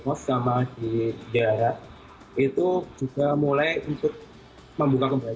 pos sama di daerah itu juga mulai untuk membuka kembali